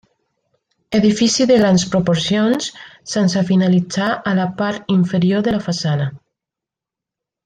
Edifici de grans proporcions, sense finalitzar a la part inferior de la façana.